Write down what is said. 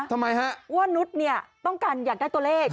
ทำไมฮะว่านุษย์เนี่ยต้องการอยากได้ตัวเลข